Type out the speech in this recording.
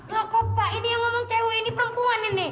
loh kok pak ini yang ngomong cewek ini perempuan ini